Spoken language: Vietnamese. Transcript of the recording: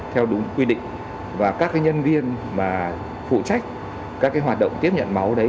theo đúng quy định và các nhân viên mà phụ trách các hoạt động tiếp nhận máu đấy